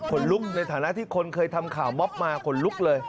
คนลุกในฐานะที่คนเคยทำข่าวม็อบมาขนลุกเลย